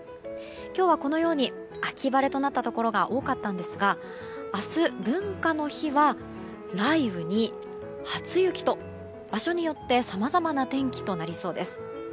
今日はこのように秋晴れとなったところが多かったんですが明日、文化の日は雷雨に初雪と場所によってさまざまな天気となりそうです。